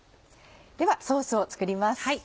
ではソースを作ります。